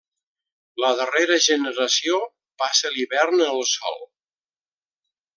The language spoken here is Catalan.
La darrera generació passa l'hivern en el sòl.